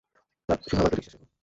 শুধু আমার প্রতি বিশ্বাস রাখো।